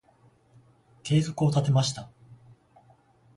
計画を立てました。